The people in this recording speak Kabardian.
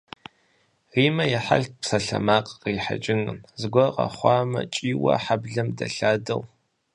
Риммэ и хьэлт псалъэмакъ кърихьэкӏыу, зыгуэр къэхъуамэ кӏийуэ хьэблэм дэлъадэу.